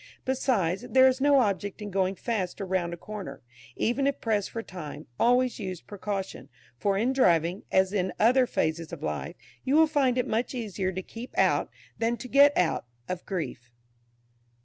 Besides, there is no object in going fast round a corner. Even if pressed for time, always use precaution, for in driving, as in other phases of life, you will find it much easier to keep out, than to get out, of grief!